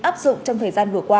áp dụng trong thời gian vừa qua